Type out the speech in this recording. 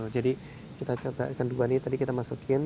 jadi kita coba ikan duga ini tadi kita masukin